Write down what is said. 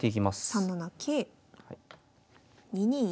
３七桂２二銀。